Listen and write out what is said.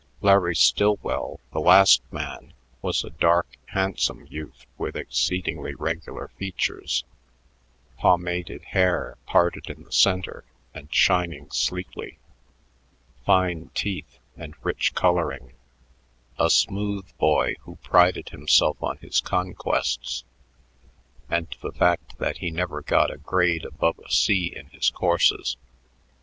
Larry Stillwell, the last man, was a dark, handsome youth with exceedingly regular features, pomaded hair parted in the center and shining sleekly, fine teeth, and rich coloring: a "smooth" boy who prided himself on his conquests and the fact that he never got a grade above a C in his courses.